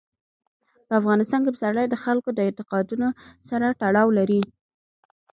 په افغانستان کې پسرلی د خلکو د اعتقاداتو سره تړاو لري.